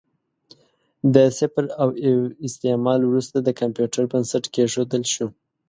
د صفر او یو استعمال وروسته د کمپیوټر بنسټ کېښودل شو.